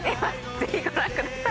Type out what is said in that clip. ぜひご覧ください。